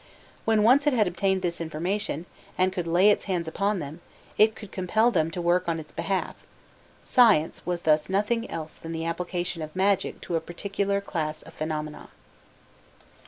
When once it had obtained this information, and could lay its hands upon them, it could compel them to work on its behalf: science was thus nothing else than the application of magic to a particular class of phenomena.